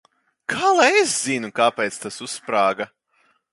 Kā lai es zinu, kāpēc tas uzsprāga?